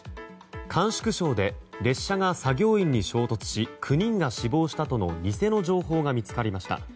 甘粛省で列車が作業員に衝突し９人が死亡したとの偽の情報が見つかりました。